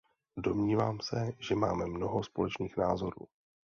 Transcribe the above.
Domnívám se, že máme mnoho společných názorů.